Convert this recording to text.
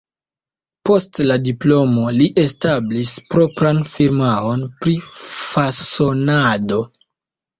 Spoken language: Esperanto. Post la diplomo li establis propran firmaon pri fasonado.